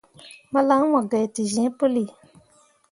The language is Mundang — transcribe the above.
Malan mu gai te zĩĩ puli.